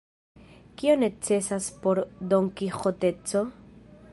Kio necesas por donkiĥoteco?